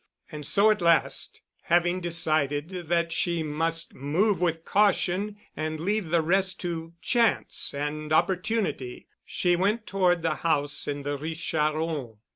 And so at last, having decided that she must move with caution and leave the rest to chance and opportunity, she went toward the house in the Rue Charron.